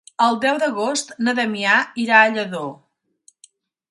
El deu d'agost na Damià irà a Lladó.